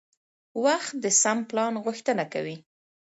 وخت د سم پلان غوښتنه کوي